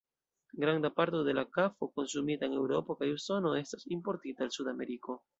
Granda parto de la kafo konsumita en Eŭropo kaj Usono estas importita el Sudameriko.